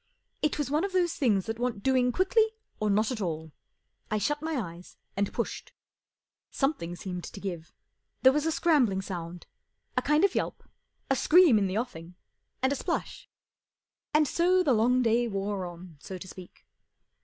It was one of those things that want doing quickly or not at all. I shut my eyes and pushed. Something seemed to give. There was a scrambling sound, a kind of yelp, a scream in the offing, and a splash. And so the long day wore on, so to speak.